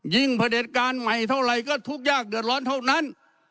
พระเด็จการใหม่เท่าไหร่ก็ทุกข์ยากเดือดร้อนเท่านั้น